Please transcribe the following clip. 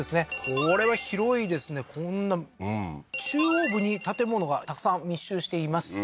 これは広いですねこんな中央部に建物がたくさん密集しています